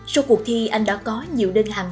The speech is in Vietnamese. sau cuộc thi anh đã có nhiều đơn hàng